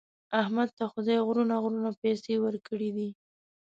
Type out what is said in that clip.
احمد ته خدای غرونه غرونه پیسې ورکړي دي.